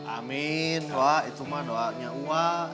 amin wah itu mah doanya wa